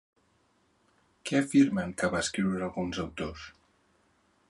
Què afirmen que va escriure alguns autors?